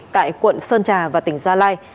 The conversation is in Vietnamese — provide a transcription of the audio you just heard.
tại quận sơn trà và tỉnh gia lai